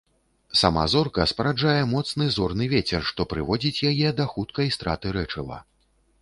Сама зорка спараджае моцны зорны вецер, што прыводзіць яе да хуткай страты рэчыва.